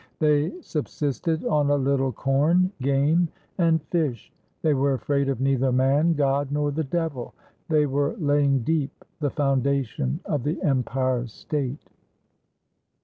They subsisted on a little corn, game, and fish. They were afraid of neither man, God, nor the Devil. They were laying deep the foundation of the Empire State."